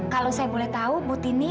kalau saya boleh tahu butini